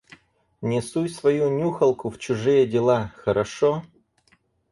Не суй свою нюхалку в чужие дела, хорошо?